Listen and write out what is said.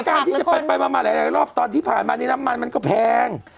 การที่จะไปมาหลายรอบตอนที่ผ่านมานี้น้ำมันมันก็แพง